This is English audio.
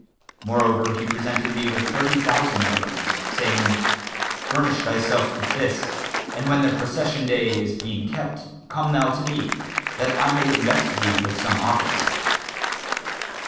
Moreover, he presented me with thirty thousand dirhams, saying, 'Furnish thyself with this, and when the Procession day[FN#422] is being kept, come thou to me, that I may invest thee with some office.'